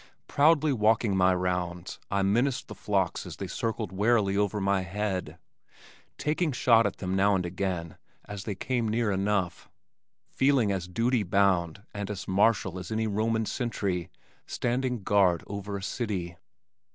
Proudly walking my rounds I menaced the flocks as they circled warily over my head, taking shot at them now and again as they came near enough, feeling as duty bound and as martial as any Roman sentry standing guard over a city.